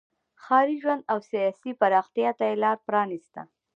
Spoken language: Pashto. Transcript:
ښاري ژوند او سیاسي پراختیا ته یې لار پرانیسته.